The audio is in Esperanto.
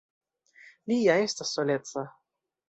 Li ja estas soleca.